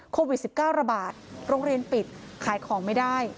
โควิด๑๙ระบาดโรงเรียนปิดขายของไม่ได้